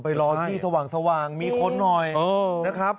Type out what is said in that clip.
รอที่สว่างมีคนหน่อยนะครับ